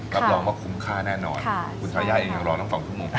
รับรองว่าคุ้มค่าแน่นอนคุณท้าย่ายอย่างรอตั้ง๒ทุ่ม